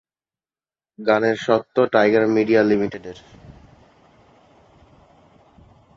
গানের স্বত্ব Tiger Media লিমিটেডের।